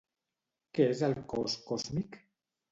Què és el cos còsmic?